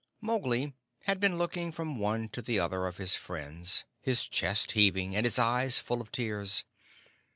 Mowgli had been looking from one to the other of his friends, his chest heaving and his eyes full of tears.